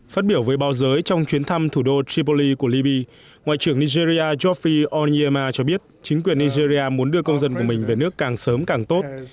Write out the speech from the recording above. phát biểu với báo giới trong chuyến thăm thủ đô tripoli của libya ngoại trưởng nigeria georphie oniema cho biết chính quyền nigeria muốn đưa công dân của mình về nước càng sớm càng tốt